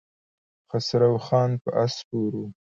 خسرو خان پر آس سپور و.